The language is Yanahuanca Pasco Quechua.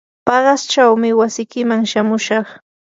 paqasyaychawmi wasikiman shamushaq.